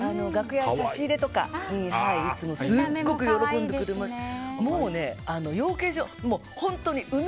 差し入れとかですごく喜んでくれます。